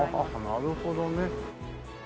なるほどね。